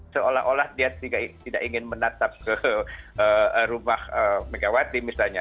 seolah olah dia tidak ingin menatap ke rumah megawati misalnya